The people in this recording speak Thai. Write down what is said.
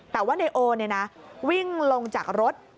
แต่ว่านายโอวิ่งลงจากรถ